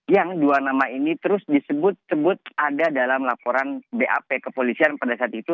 yang dua nama ini terus disebut sebut ada dalam laporan bap kepolisian pada saat itu